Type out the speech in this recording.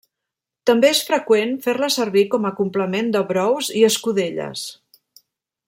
També és freqüent fer-la servir com a complement de brous i escudelles.